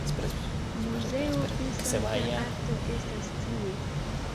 Muzeo pri sankta arto estas tie.